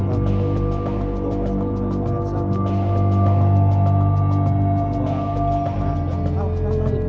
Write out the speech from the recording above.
dan bahwa seluruh kesehatan yang terjadi adalah karena kegiatan yang terjadi